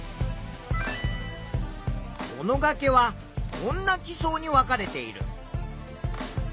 このがけはこんな地層に分かれている。